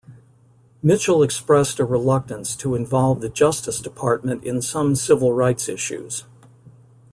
Mitchell expressed a reluctance to involve the Justice Department in some civil rights issues.